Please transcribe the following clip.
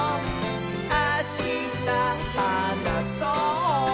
あしたはなそう！」